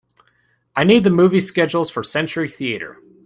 I need the movie schedules for Century Theatres